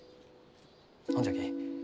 ほんじゃき